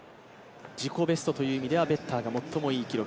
自己ベストという意味ではベッターが最もいい記録。